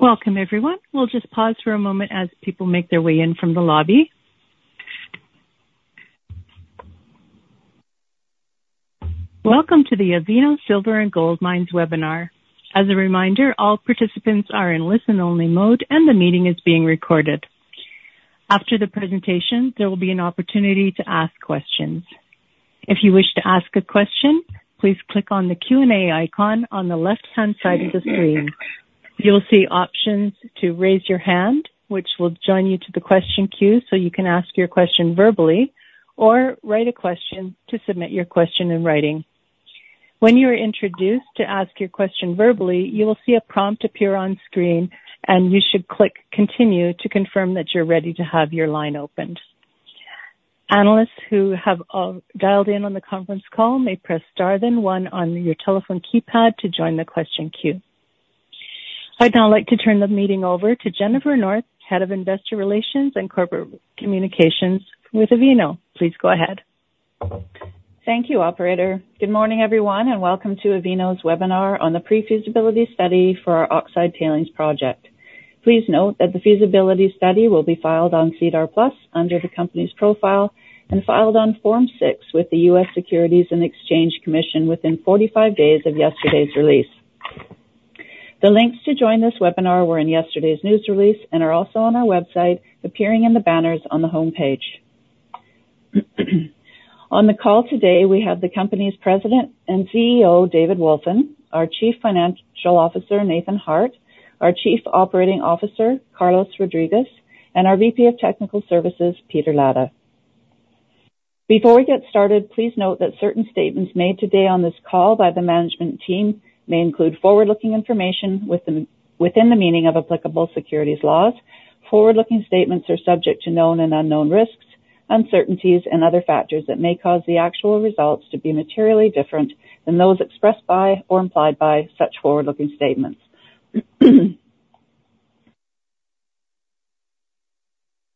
Welcome, everyone. We'll just pause for a moment as people make their way in from the lobby. Welcome to the Avino Silver and Gold Mines webinar. As a reminder, all participants are in listen-only mode and the meeting is being recorded. After the presentation, there will be an opportunity to ask questions. If you wish to ask a question, please click on the Q&A icon on the left-hand side of the screen. You'll see options to raise your hand, which will join you to the question queue so you can ask your question verbally, or write a question to submit your question in writing. When you are introduced to ask your question verbally, you will see a prompt appear on screen, and you should click Continue to confirm that you're ready to have your line opened. Analysts who have dialed in on the conference call may press Star then one on your telephone keypad to join the question queue. I'd now like to turn the meeting over to Jennifer North, Head of Investor Relations and Corporate Communications with Avino. Please go ahead. Thank you, operator. Good morning, everyone, and welcome to Avino's webinar on the pre-feasibility study for our Oxide Tailings Project. Please note that the feasibility study will be filed on SEDAR+ under the company's profile and filed on Form 6-K with the U.S. Securities and Exchange Commission within 45 days of yesterday's release. The links to join this webinar were in yesterday's news release and are also on our website, appearing in the banners on the homepage. On the call today, we have the company's President and CEO, David Wolfin, our Chief Financial Officer, Nathan Harte, our Chief Operating Officer, Carlos Rodriguez, and our VP of Technical Services, Peter Latta. Before we get started, please note that certain statements made today on this call by the management team may include forward-looking information within the meaning of applicable securities laws. Forward-looking statements are subject to known and unknown risks, uncertainties, and other factors that may cause the actual results to be materially different than those expressed by or implied by such forward-looking statements.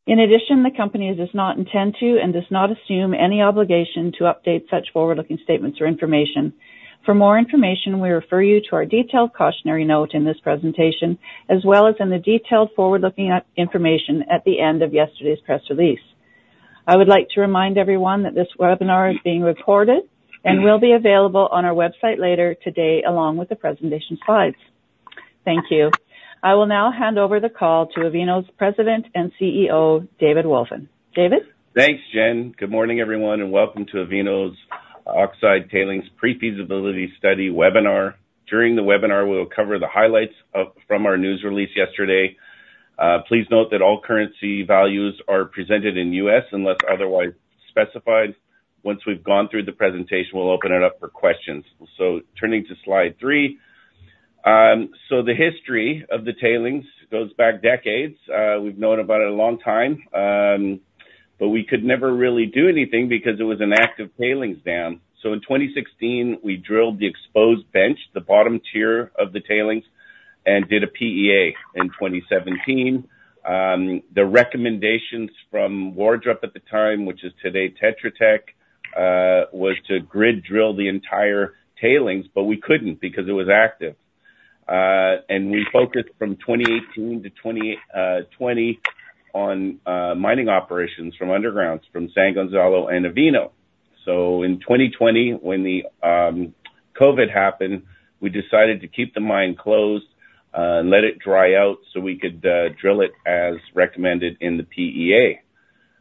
In addition, the company does not intend to and does not assume any obligation to update such forward-looking statements or information. For more information, we refer you to our detailed cautionary note in this presentation, as well as in the detailed forward-looking information at the end of yesterday's press release. I would like to remind everyone that this webinar is being recorded and will be available on our website later today, along with the presentation slides. Thank you. I will now hand over the call to Avino's President and CEO, David Wolfin. David? Thanks, Jen. Good morning, everyone, and welcome to Avino's Oxide Tailings Pre-Feasibility Study webinar. During the webinar, we will cover the highlights from our news release yesterday. Please note that all currency values are presented in U.S. unless otherwise specified. Once we've gone through the presentation, we'll open it up for questions. So turning to slide 3. So the history of the tailings goes back decades. We've known about it a long time, but we could never really do anything because it was an active tailings dam. So in 2016, we drilled the exposed bench, the bottom tier of the tailings, and did a PEA in 2017. The recommendations from Wardrop at the time, which is today Tetra Tech, was to grid drill the entire tailings, but we couldn't because it was active. And we focused from 2018 to 2020 on mining operations from underground, from San Gonzalo and Avino. So in 2020, when the COVID happened, we decided to keep the mine closed and let it dry out so we could drill it as recommended in the PEA.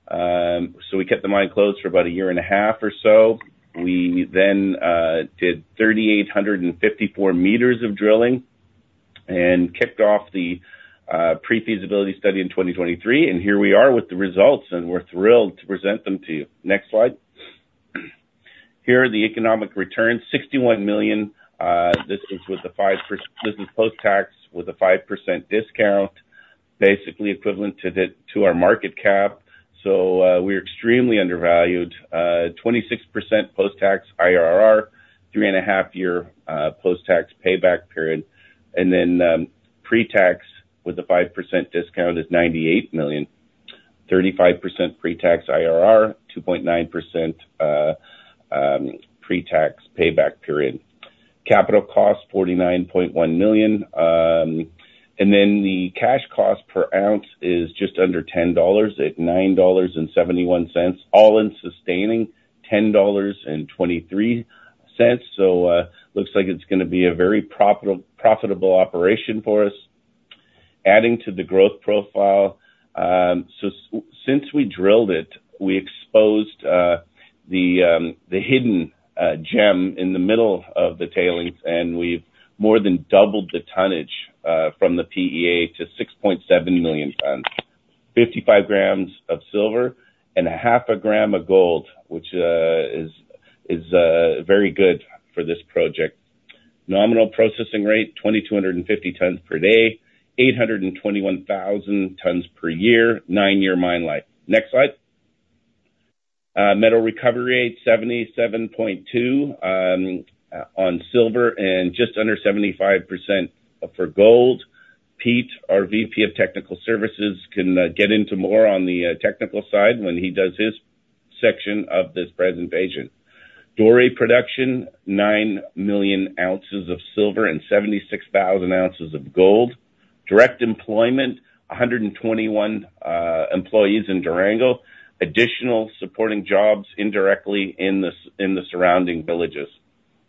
So we kept the mine closed for about a year and a half or so. We then did 3,854 meters of drilling and kicked off the pre-feasibility study in 2023, and here we are with the results, and we're thrilled to present them to you. Next slide. Here are the economic returns, $61 million. This is with the five... This is post-tax with a 5% discount, basically equivalent to the, to our market cap. So, we're extremely undervalued. 26% post-tax IRR, three to five-year post-tax payback period. And then, pre-tax with a 5% discount is $98 million. 35% pre-tax IRR, 2.9-year pre-tax payback period. Capital cost $49.1 million. And then the cash cost per ounce is just under $10, at 9.71, all-in sustaining 10.23. So, looks like it's gonna be a very profitable, profitable operation for us. Adding to the growth profile, so since we drilled it, we exposed the hidden gem in the middle of the tailings, and we've more than doubled the tonnage from the PEA to 6.7 million tons, 55 grams of silver and 0.5 gram of gold, which is very good for this project. Nominal processing rate, 2,250 tons per day, 821,000 tons per year, nine-year mine life. Next slide. Metal recovery rate, 77.2% on silver and just under 75% for gold. Pete, our VP of Technical Services, can get into more on the technical side when he does his section of this presentation. Doré production, 9 million ounces of silver and 76,000 ounces of gold. Direct employment, 121 employees in Durango. Additional supporting jobs indirectly in the surrounding villages.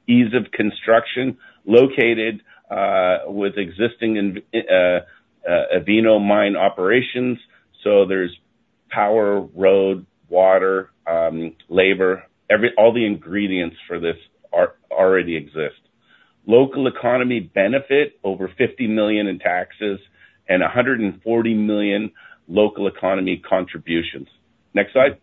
Ease of construction, located with existing Avino Mine operations, so there's power, road, water, labor. All the ingredients for this already exist. Local economy benefit, over $50 million in taxes and $140 million local economy contributions. Next slide.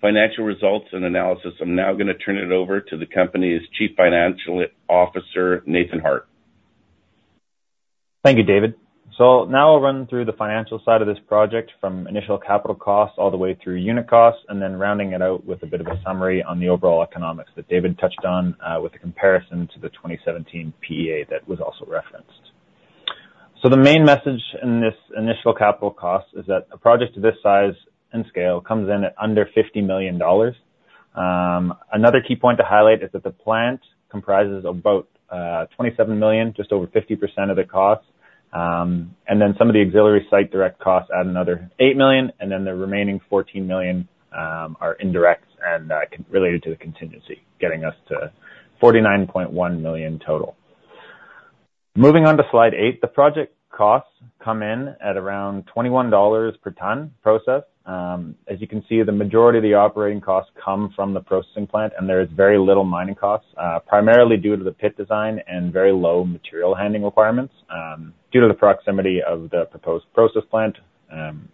Financial results and analysis. I'm now gonna turn it over to the company's Chief Financial Officer, Nathan Harte. Thank you, David. So now I'll run through the financial side of this project from initial capital costs all the way through unit costs, and then rounding it out with a bit of a summary on the overall economics that David touched on, with the comparison to the 2017 PEA that was also referenced. So the main message in this initial capital cost is that a project of this size and scale comes in at under $50 million. Another key point to highlight is that the plant comprises about $27 million, just over 50% of the cost. And then some of the auxiliary site direct costs add another $8 million, and then the remaining $14 million are indirect and related to the contingency, getting us to $49.1 million total. Moving on to Slide eight, the project costs come in at around $21 per ton processed. As you can see, the majority of the operating costs come from the processing plant, and there is very little mining costs, primarily due to the pit design and very low material handling requirements, due to the proximity of the proposed process plant,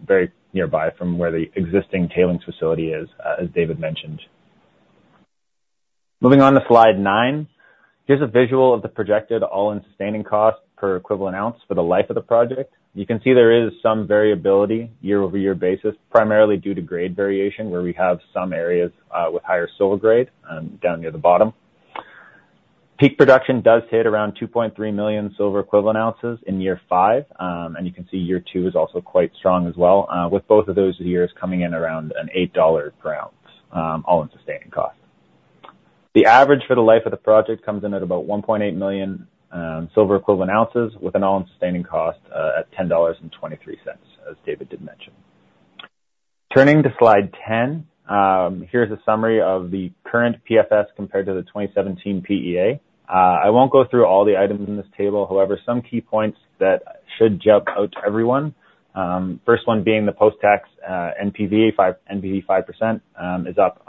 very nearby from where the existing tailings facility is, as David mentioned. Moving on to Slide nine, here's a visual of the projected all-in sustaining costs per equivalent ounce for the life of the project. You can see there is some variability year-over-year basis, primarily due to grade variation, where we have some areas, with higher silver grade, down near the bottom. Peak production does hit around 2.3 million silver equivalent ounces in year five. You can see year two is also quite strong as well, with both of those years coming in around $8 per ounce all-in sustaining cost. The average for the life of the project comes in at about 1.8 million silver equivalent ounces with an all-in sustaining cost at $10.23, as David did mention. Turning to Slide 10, here's a summary of the current PFS compared to the 2017 PEA. I won't go through all the items in this table. However, some key points that should jump out to everyone, first one being the post-tax NPV 5%, NPV 5%, is up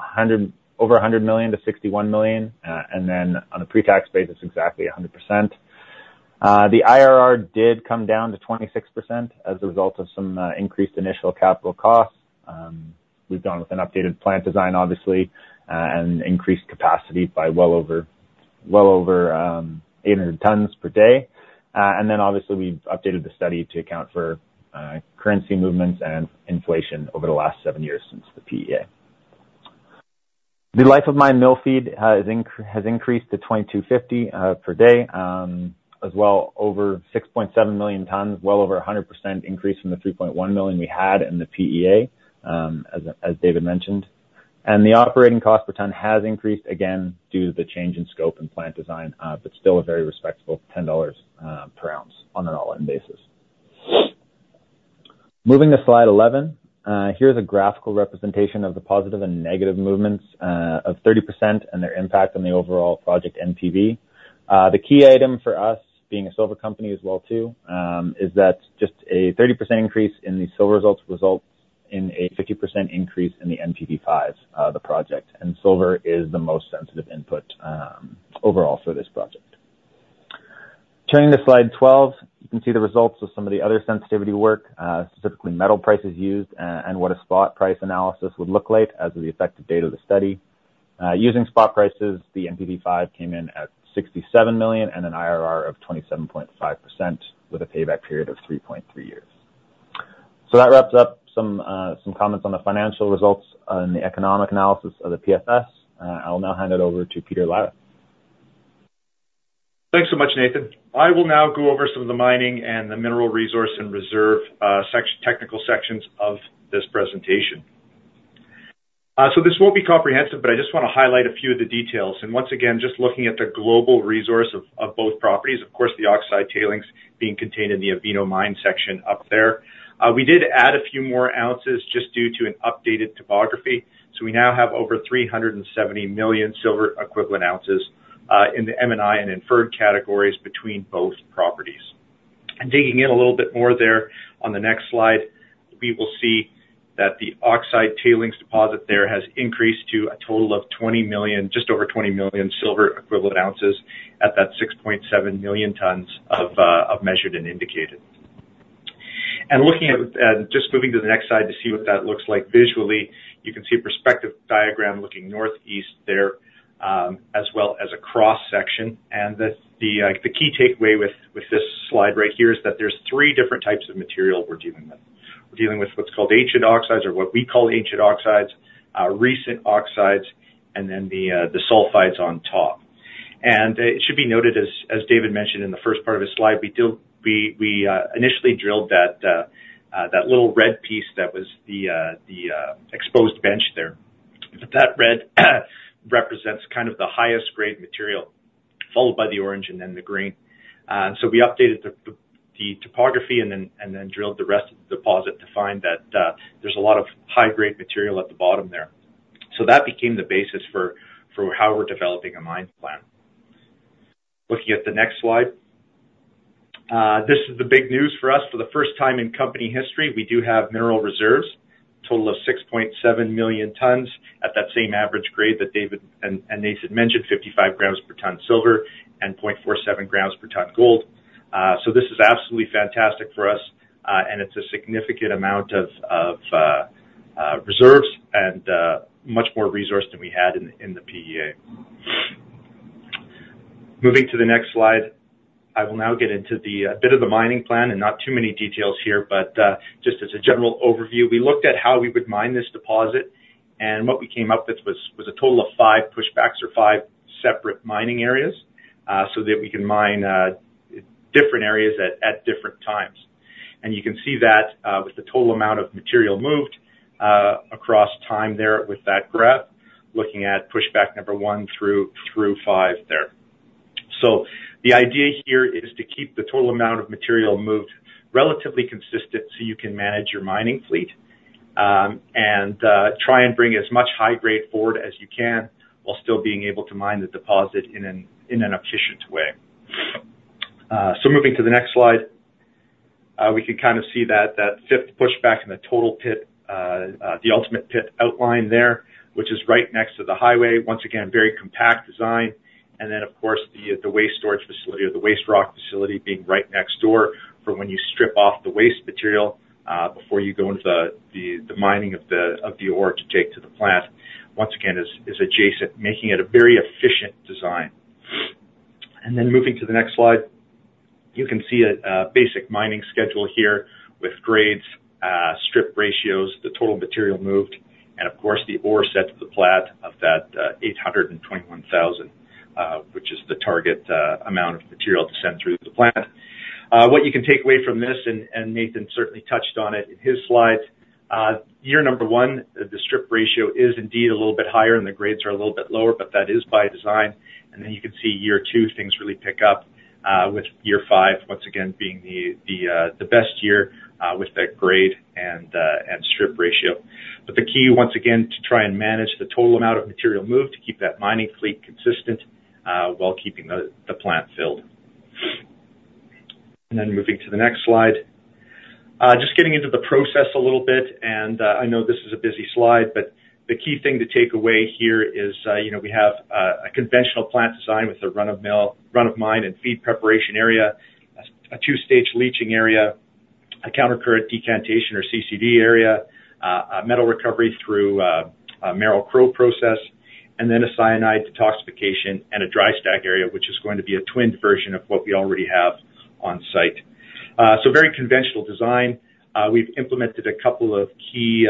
over $100 million to 61 million. And then on a pre-tax basis, exactly 100%. The IRR did come down to 26% as a result of some increased initial capital costs. We've gone with an updated plant design, obviously, and increased capacity by well over 800 tons per day. And then obviously, we've updated the study to account for currency movements and inflation over the last seven years since the PEA. The life of mine mill feed has increased to 2,250 per day, as well, over 6.7 million tons, well over 100% increase from the 3.1 million we had in the PEA, as David mentioned. And the operating cost per ton has increased again due to the change in scope and plant design, but still a very respectable $10 per ounce on an all-in basis. Moving to Slide 11, here's a graphical representation of the positive and negative movements of 30% and their impact on the overall project NPV. The key item for us, being a silver company as well too, is that just a 30% increase in the silver results results in a 50% increase in the NPV5 the project, and silver is the most sensitive input overall for this project. Turning to Slide 12, you can see the results of some of the other sensitivity work, specifically metal prices used and what a spot price analysis would look like as of the effective date of the study. Using spot prices, the NPV5 came in at $67 million and an IRR of 27.5% with a payback period of 3.3 years. So that wraps up some comments on the financial results and the economic analysis of the PFS. I'll now hand it over to Peter Latta. Thanks so much, Nathan. I will now go over some of the mining and the mineral resource and reserve section, technical sections of this presentation. This won't be comprehensive, but I just wanna highlight a few of the details. Once again, just looking at the global resource of, of both properties, of course, the oxide tailings being contained in the Avino Mine section up there. We did add a few more ounces just due to an updated topography, so we now have over 370 million silver equivalent ounces in the M&I and Inferred categories between both properties. Digging in a little bit more there on the next slide, we will see that the oxide tailings deposit there has increased to a total of 20 million, just over 20 million silver equivalent ounces at that 6.7 million tons of Measured and Indicated. Looking at, just moving to the next slide to see what that looks like visually, you can see a perspective diagram looking northeast there, as well as a cross-section. The key takeaway with this slide right here is that there's three different types of material we're dealing with. We're dealing with what's called ancient oxides, or what we call ancient oxides, recent oxides, and then the sulfides on top. It should be noted, as David mentioned in the first part of his slide, we initially drilled that little red piece that was the exposed bench there. But that red represents kind of the highest grade material, followed by the orange and then the green. So we updated the topography and then drilled the rest of the deposit to find that there's a lot of high-grade material at the bottom there. So that became the basis for how we're developing a mine plan. Looking at the next slide. This is the big news for us. For the first time in company history, we do have mineral reserves, total of 6.7 million tons at that same average grade that David and Nathan mentioned, 55 grams per ton silver and 0.47 grams per ton gold. So this is absolutely fantastic for us, and it's a significant amount of reserves and much more resource than we had in the PEA. Moving to the next slide. I will now get into the bit of the mining plan, and not too many details here, but just as a general overview, we looked at how we would mine this deposit, and what we came up with was a total of 5 pushbacks or 5 separate mining areas, so that we can mine different areas at different times. And you can see that, with the total amount of material moved, across time there with that graph, looking at pushback number 1 through 5 there. So the idea here is to keep the total amount of material moved relatively consistent so you can manage your mining fleet, and try and bring as much high grade forward as you can, while still being able to mine the deposit in an efficient way. So moving to the next slide. We can kinda see that fifth pushback in the total pit, the ultimate pit outline there, which is right next to the highway. Once again, very compact design. And then, of course, the waste storage facility or the waste rock facility being right next door for when you strip off the waste material, before you go into the mining of the ore to take to the plant. Once again, is adjacent, making it a very efficient design. And then moving to the next slide, you can see a basic mining schedule here with grades, strip ratios, the total material moved, and of course, the ore set to the plant of that 821,000, which is the target amount of material to send through the plant. What you can take away from this, and Nathan certainly touched on it in his slides, year one, the strip ratio is indeed a little bit higher and the grades are a little bit lower, but that is by design. And then you can see year two, things really pick up, with year five once again being the best year, with that grade and strip ratio. But the key, once again, to try and manage the total amount of material moved to keep that mining fleet consistent, while keeping the plant filled. And then moving to the next slide. Just getting into the process a little bit, and, I know this is a busy slide, but the key thing to take away here is, you know, we have, a conventional plant design with a run-of-mine and feed preparation area, a two-stage leaching area, a counter-current decantation or CCD area, a metal recovery through, a Merrill-Crowe process, and then a cyanide detoxification and a dry stack area, which is going to be a twinned version of what we already have on-site. So very conventional design. We've implemented a couple of key,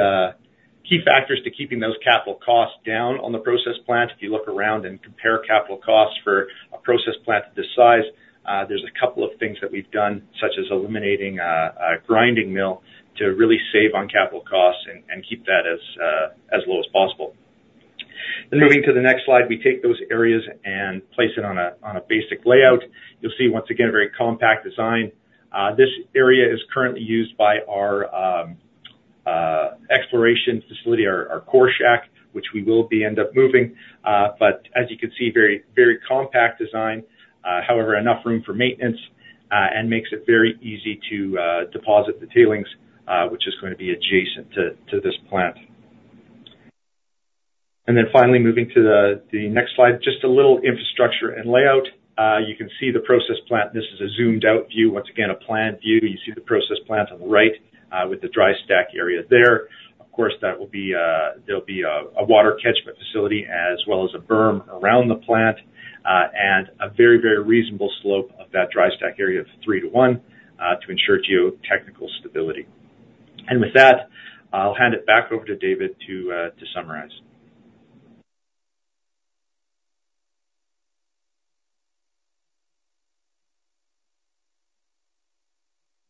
key factors to keeping those capital costs down on the process plant. If you look around and compare capital costs for a process plant this size, there's a couple of things that we've done, such as eliminating a grinding mill, to really save on capital costs and keep that as low as possible. Then moving to the next slide, we take those areas and place it on a basic layout. You'll see, once again, a very compact design. This area is currently used by our exploration facility, our core shack, which we will be end up moving. But as you can see, very compact design, however, enough room for maintenance, and makes it very easy to deposit the tailings, which is gonna be adjacent to this plant. And then finally moving to the next slide, just a little infrastructure and layout. You can see the process plant. This is a zoomed-out view. Once again, a plant view. You see the process plant on the right, with the dry stack area there. Of course, that will be, there'll be a water catchment facility as well as a berm around the plant, and a very, very reasonable slope of that dry stack area of 3 to 1, to ensure geotechnical stability. And with that, I'll hand it back over to David to summarize.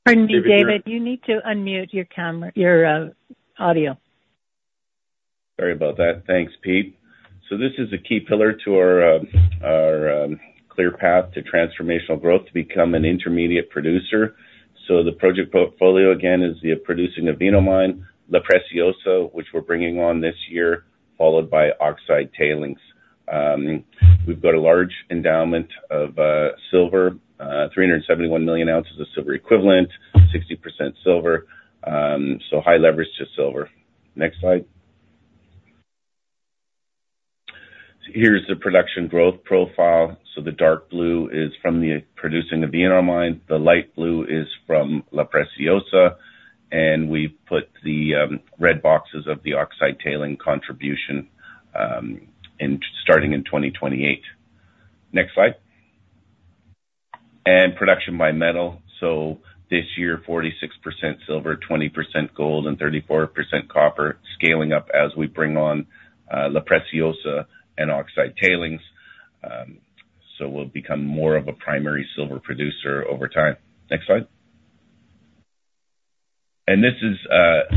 Pardon me, David, you need to unmute your camera, your audio. Sorry about that. Thanks, Pete. So this is a key pillar to our clear path to transformational growth to become an intermediate producer. So the project portfolio, again, is the producing Avino Mine, La Preciosa, which we're bringing on this year, followed by oxide tailings. We've got a large endowment of silver, 371 million ounces of silver equivalent, 60% silver, so high leverage to silver. Next slide. So here's the production growth profile. So the dark blue is from the producing Avino Mine, the light blue is from La Preciosa, and we've put the red boxes of the oxide tailing contribution starting in 2028. Next slide. And production by metal. So this year, 46% silver, 20% gold, and 34% copper, scaling up as we bring on La Preciosa and oxide tailings. So we'll become more of a primary silver producer over time. Next slide. And this is.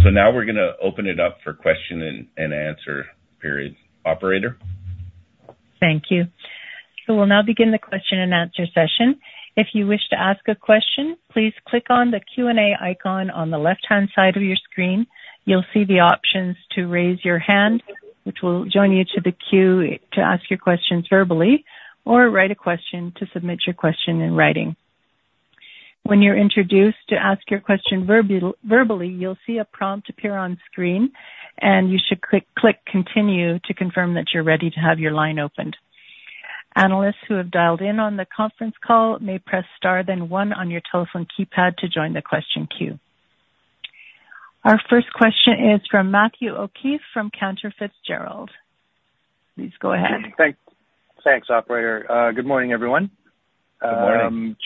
So now we're gonna open it up for question and answer period. Operator? Thank you. So we'll now begin the question and answer session. If you wish to ask a question, please click on the Q&A icon on the left-hand side of your screen. You'll see the options to raise your hand, which will join you to the queue to ask your questions verbally, or write a question to submit your question in writing. When you're introduced to ask your question verbally, you'll see a prompt appear on screen, and you should click Continue to confirm that you're ready to have your line opened. Analysts who have dialed in on the conference call may press Star, then one on your telephone keypad to join the question queue. Our first question is from Matthew O'Keefe from Cantor Fitzgerald. Please go ahead. Thanks. Thanks, operator. Good morning, everyone. Good morning.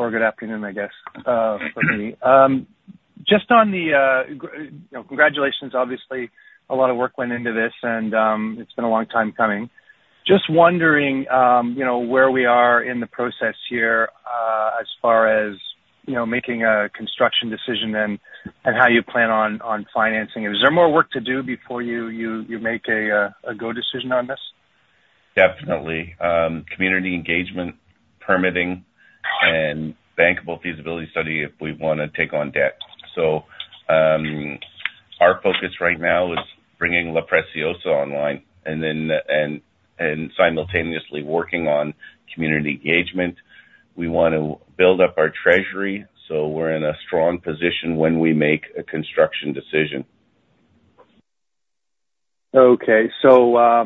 Good afternoon, I guess, for me. Just on the, you know, congratulations, obviously, a lot of work went into this, and it's been a long time coming. Just wondering, you know, where we are in the process here, as far as, you know, making a construction decision and how you plan on financing it. Is there more work to do before you make a go decision on this? Definitely. Community engagement, permitting, and bankable feasibility study if we wanna take on debt. So, our focus right now is bringing La Preciosa online and then simultaneously working on community engagement. We want to build up our treasury, so we're in a strong position when we make a construction decision. Okay, so,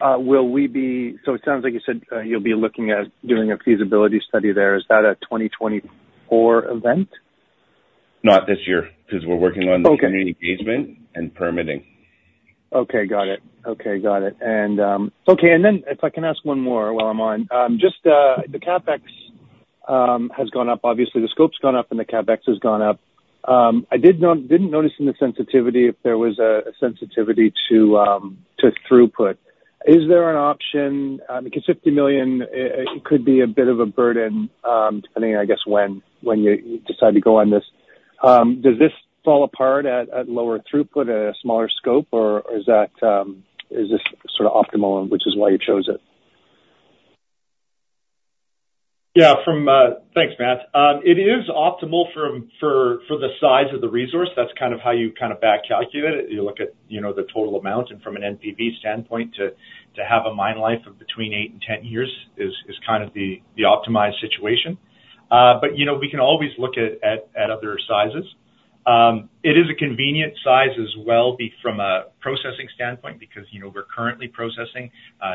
it sounds like you said you'll be looking at doing a feasibility study there. Is that a 2024 event? Not this year, because we're working on- Okay. The community engagement and permitting. Okay, got it. Okay, got it. And, okay, and then if I can ask one more while I'm on. Just, the CapEx has gone up. Obviously, the scope's gone up and the CapEx has gone up. I didn't notice in the sensitivity if there was a sensitivity to throughput. Is there an option, because $50 million, it could be a bit of a burden, depending on, I guess, when you decide to go on this. Does this fall apart at lower throughput, a smaller scope, or is that, is this sort of optimal, which is why you chose it? Yeah. Thanks, Matt. It is optimal for the size of the resource. That's kind of how you kind of back calculate it. You look at, you know, the total amount and from an NPV standpoint, to have a mine life of between eight and ten years is kind of the optimized situation. But, you know, we can always look at other sizes. It is a convenient size as well, from a processing standpoint, because, you know, we're currently processing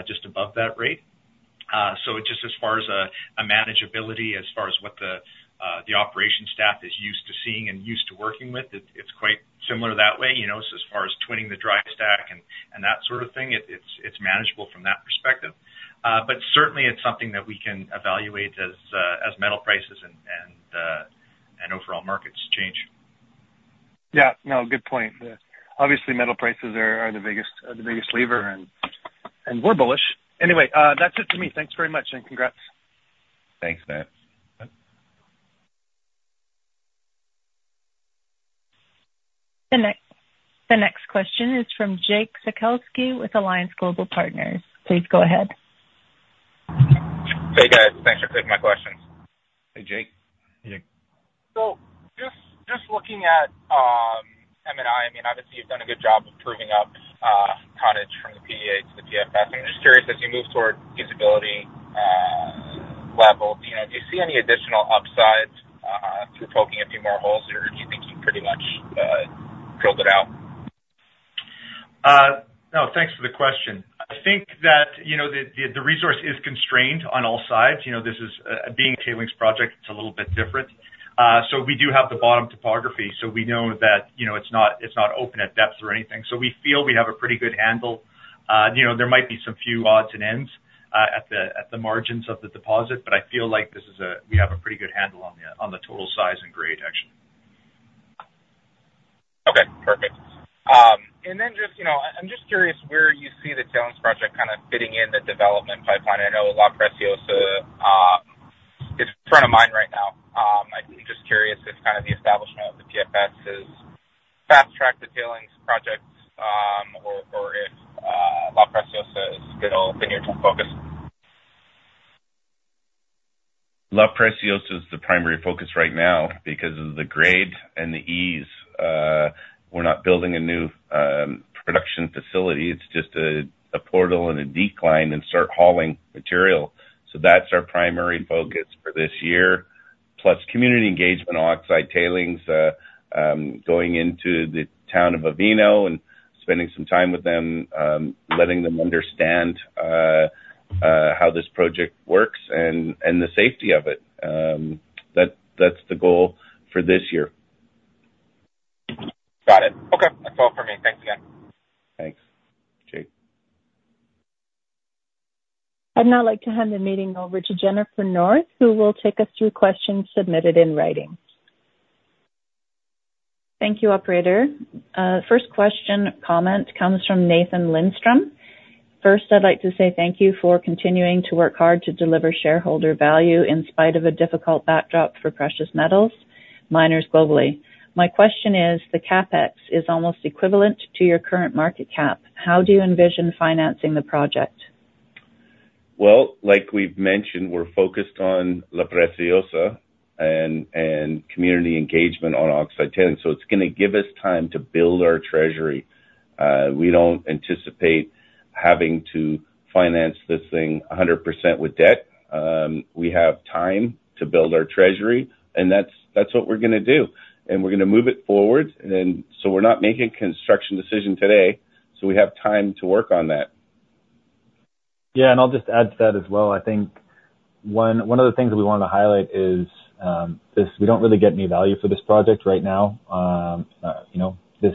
just above that rate. So just as far as manageability, as far as what the operation staff is used to seeing and used to working with, it's quite similar that way, you know, so as far as twinning the dry stack and that sort of thing, it's manageable from that perspective. But certainly, it's something that we can evaluate as metal prices and overall markets change. Yeah. No, good point. Obviously, metal prices are the biggest lever, and we're bullish. Anyway, that's it for me. Thanks very much, and congrats. Thanks, Matt. The next question is from Jake Sekelsky with Alliance Global Partners. Please go ahead. Hey, guys. Thanks for taking my questions. Hey, Jake. Hey, Jake. So just looking at M&I, I mean, obviously, you've done a good job of proving up tonnage from the PEA to the PFS. I'm just curious, as you move toward feasibility level, you know, do you see any additional upsides through poking a few more holes, or do you think you pretty much drilled it out? No. Thanks for the question. I think that, you know, the resource is constrained on all sides. You know, this is being a tailings project, it's a little bit different. So we do have the bottom topography, so we know that, you know, it's not open at depths or anything. So we feel we have a pretty good handle. You know, there might be some few odds and ends at the margins of the deposit, but I feel like this is we zhave a pretty good handle on the total size and grade, actually. Okay, perfect. And then just, you know, I'm just curious where you see the tailings project kind of fitting in the development pipeline. I know La Preciosa is front of mind right now. I'm just curious if kind of the establishment of the PFS is fast-tracked the tailings projects, or if La Preciosa is still the near-term focus. La Preciosa is the primary focus right now because of the grade and the ease. We're not building a new production facility, it's just a portal and a decline and start hauling material. So that's our primary focus for this year, plus community engagement, oxide tailings, going into the town of Avino and spending some time with them, letting them understand how this project works and the safety of it. That's the goal for this year. Got it. Okay. I'd now like to hand the meeting over to Jennifer North, who will take us through questions submitted in writing. Thank you, operator. First question, comment comes from Nathan Lindstrom. First, I'd like to say thank you for continuing to work hard to deliver shareholder value in spite of a difficult backdrop for precious metals miners globally. My question is: The CapEx is almost equivalent to your current market cap. How do you envision financing the project? Well, like we've mentioned, we're focused on La Preciosa and community engagement on Oxide Tailings. So it's gonna give us time to build our treasury. We don't anticipate having to finance this thing 100% with debt. We have time to build our treasury, and that's what we're gonna do, and we're gonna move it forward. And so we're not making a construction decision today, so we have time to work on that. Yeah, and I'll just add to that as well. I think one of the things that we wanted to highlight is this. We don't really get any value for this project right now. You know, this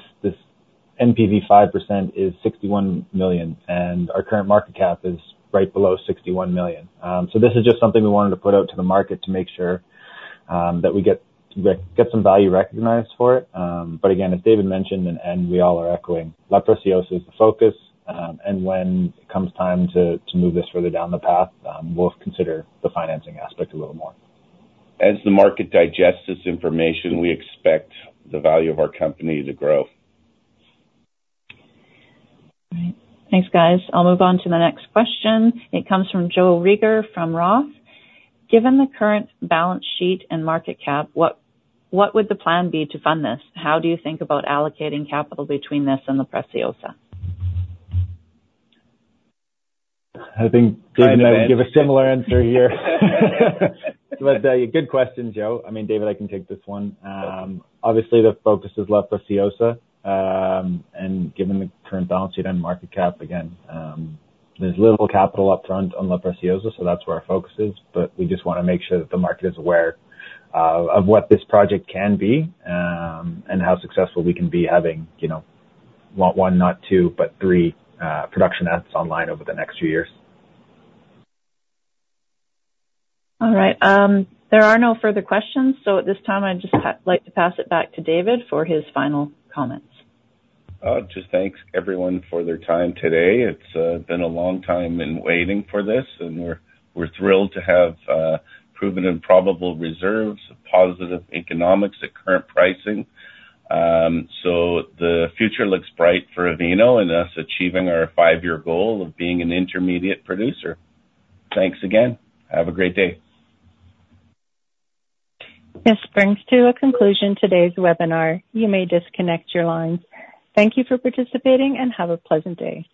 NPV 5% is $61 million, and our current market cap is right below $61 million. So this is just something we wanted to put out to the market to make sure that we get some value recognized for it. But again, as David mentioned, and we all are echoing, La Preciosa is the focus. And when it comes time to move this further down the path, we'll consider the financing aspect a little more. As the market digests this information, we expect the value of our company to grow. All right. Thanks, guys. I'll move on to the next question. It comes from Joe Reagor from Roth. Given the current balance sheet and market cap, what would the plan be to fund this? How do you think about allocating capital between this and La Preciosa? I think David and I give a similar answer here. But, good question, Joe. I mean, David, I can take this one. Obviously, the focus is La Preciosa. And given the current balance sheet and market cap, again, there's little capital up front on La Preciosa, so that's where our focus is. But we just wanna make sure that the market is aware, of what this project can be, and how successful we can be having, you know, one, not two, but three, production assets online over the next few years. All right. There are no further questions, so at this time, I'd just like to pass it back to David for his final comments. Just thanks, everyone, for their time today. It's been a long time in waiting for this, and we're thrilled to have proven and probable reserves, positive economics at current pricing. So the future looks bright for Avino and us achieving our five-year goal of being an intermediate producer. Thanks again. Have a great day. This brings to a conclusion today's webinar. You may disconnect your lines. Thank you for participating, and have a pleasant day.